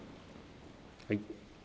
はい。